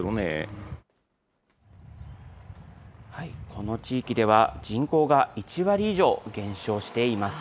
この地域では人口が１割以上減少しています。